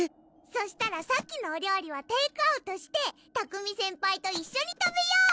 そしたらさっきのお料理はテークアウトして拓海先輩と一緒に食べよう！